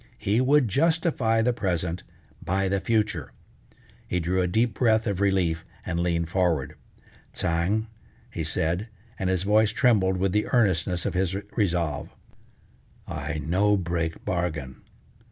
He would justify the present by the future. He drew a deep breath of relief and leaned forward: "Tsang," he said, and his voice trembled with the earnestness of his resolve, "I no break bargain.